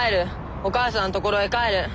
お母さんのところへ帰る。